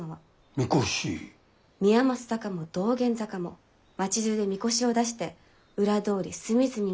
みこし？宮益坂も道玄坂も町じゅうでみこしを出して裏通り隅々まで練り歩くんです。